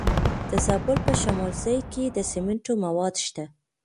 د زابل په شمولزای کې د سمنټو مواد شته.